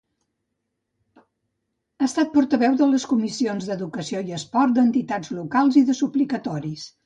Ha estat portaveu de les Comissions d'Educació i Esport, d'Entitats Locals i de Suplicatoris.